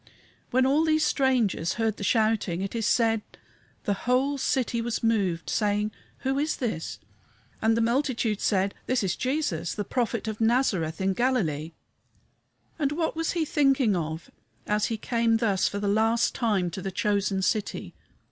When all these strangers heard the shouting, it is said the "whole city was moved, saying, Who is this? And the multitude said, This is Jesus, the Prophet of Nazareth in Galilee." And what was He thinking of, as he came thus for the last time to the chosen city?